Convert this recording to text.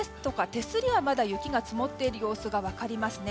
手すりはまだ雪が積もっている様子が分かりますね。